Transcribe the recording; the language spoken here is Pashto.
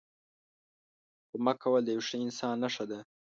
کمک کول د یوه ښه انسان نښه ده.